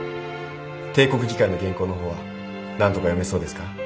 帝国議会の原稿の方はなんとか読めそうですか？